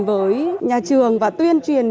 với nhà trường và tuyên truyền